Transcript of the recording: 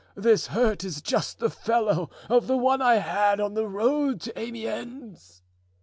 This hurt is just the fellow of the one I had on the road to Amiens."